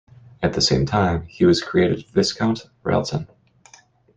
At the same time, he was created Viscount Rialton.